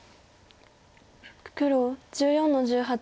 黒１４の十八。